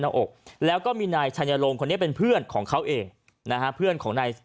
หน้าอกแล้วก็มีนายชัยลงคนนี้เป็นเพื่อนของเขาเองนะฮะเพื่อนของนาย